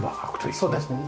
そうですね